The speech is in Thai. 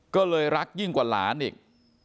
ก็เลยรักยิ่งกว่าหลานอีก